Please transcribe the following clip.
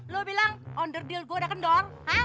lu bilang honor deal gue udah kendor